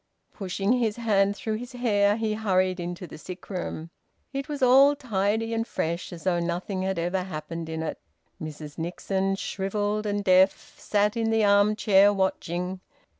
Pushing his hand through his hair, he hurried into the sick room. It was all tidy and fresh, as though nothing had ever happened in it. Mrs Nixon, shrivelled and deaf, sat in the arm chair, watching.